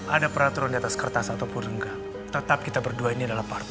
ada peraturan di atas kertas ataupun enggak tetap kita berdua ini adalah partai